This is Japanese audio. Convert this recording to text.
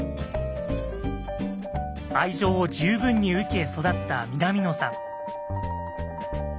愛情を十分に受け育った南野さん。